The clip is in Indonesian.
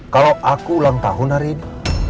kalau aku ulang tahun hari ini